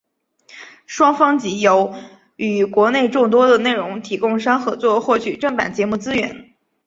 双方藉由与国内众多的内容提供商合作获取正版节目资源。